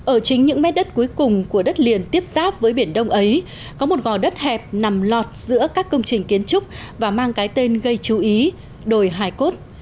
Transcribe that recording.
ở chính những mét đất cuối cùng của đất liền tiếp xác với biển đông ấy có một gò đất hẹp nằm lọt giữa các công trình kiến trúc và mang cái tên gây chú ý đồi hải cốt